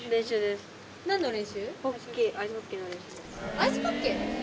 アイスホッケー？